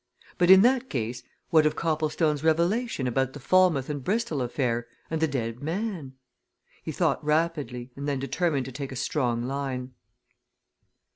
But, in that case, what of Copplestone's revelation about the Falmouth and Bristol affair and the dead man? He thought rapidly, and then determined to take a strong line.